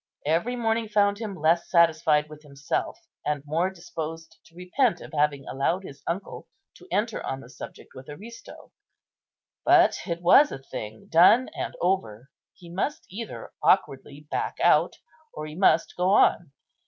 Every morning found him less satisfied with himself, and more disposed to repent of having allowed his uncle to enter on the subject with Aristo. But it was a thing done and over; he must either awkwardly back out, or he must go on.